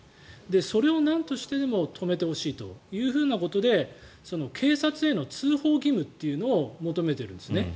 それをなんとしてでも止めてほしいということで警察への通報義務っていうのを求めているんですね。